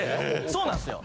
・そうなんですよ。